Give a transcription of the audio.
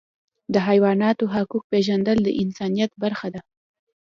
د حیواناتو حقوق پیژندل د انسانیت برخه ده.